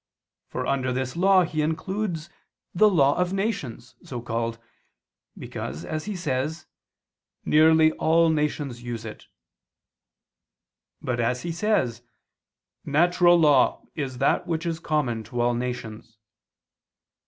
For under this law he includes the "law of nations," so called, because, as he says, "nearly all nations use it." But as he says, "natural law is that which is common to all nations."